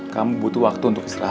kamu butuh waktu untuk istirahat